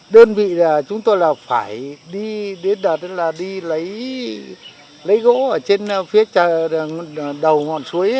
đơn vị chúng tôi là phải đi đến đất đi lấy gỗ ở trên phía đầu ngọn suối